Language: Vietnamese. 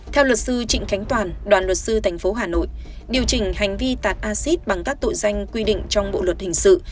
theo luật sư trịnh khánh toàn đoàn luật sư tp hà nội điều chỉnh hành vi tạc acid bằng các tội danh quy định trong bộ luật hình sự